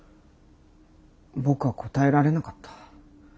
僕は答えられなかった。